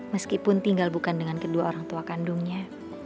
meskipun tinggal bukan dengan kedua orang tua kandungnya